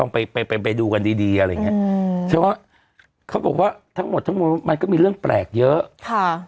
เพราะว่าเขาบอกว่าทั้งหมดมันก็มีเรื่องแปลกเยอะ